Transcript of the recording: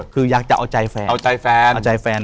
คือยากจะเอาใจแฟนเอาใจแฟน